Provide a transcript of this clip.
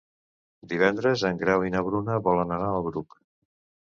Divendres en Grau i na Bruna volen anar al Bruc.